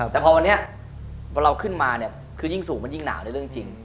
แต่พอวันนี้เราขึ้นมาเนี่ยคือยิ่งสูงมันยิ่งหนาวในเรื่องจริง